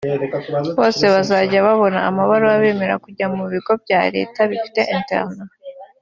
bose bazajya babona amabaruwa abemerera kujya mu bigo bya Leta bifite “internat”